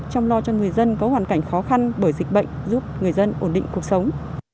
chăm lo cho người dân có hoàn cảnh khó khăn bởi dịch bệnh giúp người dân ổn định cuộc sống